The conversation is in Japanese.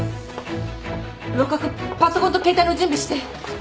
六角パソコンと携帯の準備して。